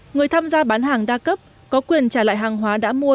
người tham gia bán hàng đa cấp có quyền trả lại hàng hóa đã mua